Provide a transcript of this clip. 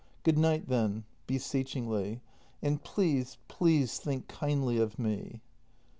] Good night, then. [Be seechingly.] And please, please think kindly of me.